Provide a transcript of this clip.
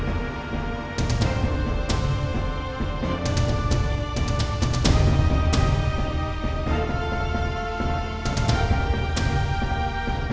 bertemu dengan bos kamu yang bernama iqbal